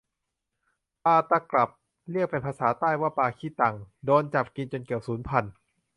ปลาตะกรับ เรียกเป็นภาษาใต้ว่าปลาขี้ตัง โดนจับกินจนเกือบสูญพันธุ์